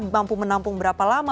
mampu menampung berapa lama